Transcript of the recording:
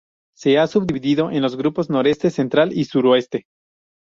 Se ha subdividido en los grupos noroeste, central y suroeste.